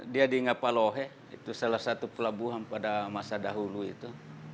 dia di ngapalohe itu salah satu pelabuhan pada masa dahulu itu